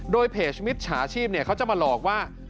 โดยเพจมิจฉาชีพเขาจะมาหลอกว่า